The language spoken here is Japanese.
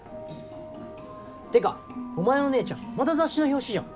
ってかお前の姉ちゃんまた雑誌の表紙じゃん。